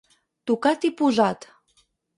Tocat i posat.